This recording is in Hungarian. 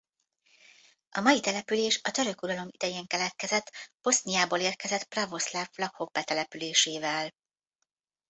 A mai település a török uralom idején keletkezett Boszniából érkezett pravoszláv vlachok betelepülésével.